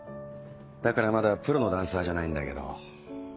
だからまだプロのダンサーじゃないんだけど。